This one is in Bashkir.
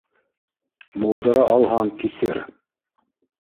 Булдыра алһаң, кисер